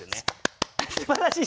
すばらしい。